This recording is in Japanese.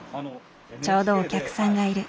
ちょうどお客さんがいる。